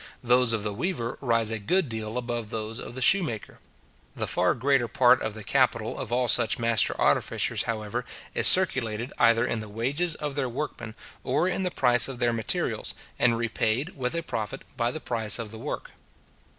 Those of the weaver rise a good deal above those of the shoemaker. The far greater part of the capital of all such master artificers, however, is circulated either in the wages of their workmen, or in the price of their materials, and repaid, with a profit, by the price of the work.